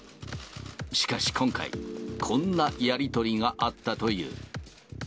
しかし今回、こんなやり取りがあったという。